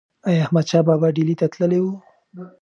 ایا احمدشاه بابا ډیلي ته تللی و؟